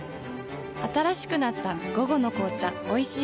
新しくなった「午後の紅茶おいしい無糖」